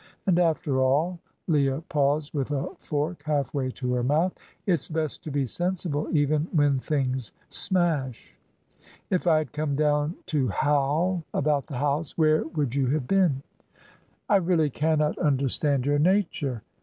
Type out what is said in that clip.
And after all" Leah paused with a fork half way to her mouth "it's best to be sensible even when things smash. If I had come down to howl about the house, where would you have been?" "I really cannot understand your nature."